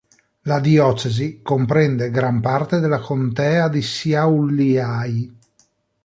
La diocesi comprende gran parte della contea di Šiauliai.